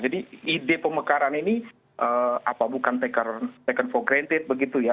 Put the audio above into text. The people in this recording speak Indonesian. jadi ide pemekaran ini bukan taken for granted begitu ya